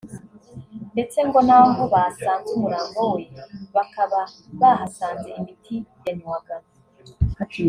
ndetse ngo n’aho basanze umurambo we bakaba bahasanze imiti yanywaga